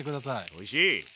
おいしい！